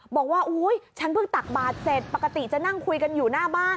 บอกว่าอุ๊ยฉันเพิ่งตักบาทเสร็จปกติจะนั่งคุยกันอยู่หน้าบ้าน